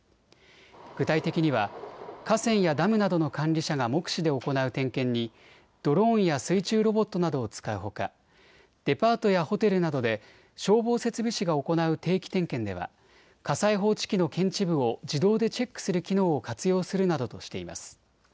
具体的には河川やダムなどの管理者が目視で行う点検にドローンや水中ロボットなどを使うほかデパートやホテルなどで消防設備士が行う定期点検では火災報知器の検知部を自動でチェックする機能を活用するなどとしています。